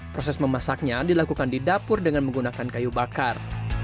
proses memasaknya dilakukan di dapur dengan menggunakan kayu bakar